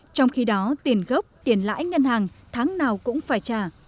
trong khi đó tiền gốc tiền lãi ngân hàng tháng nào cũng phải trả